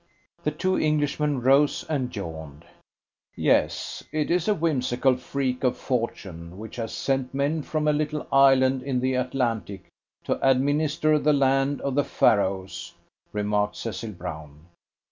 The two Englishmen rose and yawned. "Yes, it's a whimsical freak of fortune which has sent men from a little island in the Atlantic to administer the land of the Pharaohs," remarked Cecil Brown.